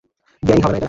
বেআইনি হবে না এটা?